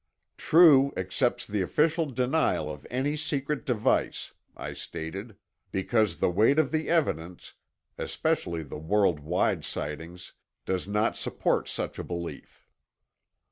"True accepts the official denial of any secret device," I stated, "because the weight of the evidence, especially the world wide sightings, does not support such a belief."